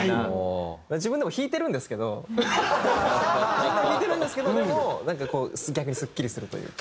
自分でも引いてるんですけどでもなんかこう逆にスッキリするというか。